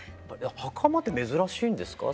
袴って珍しいんですか？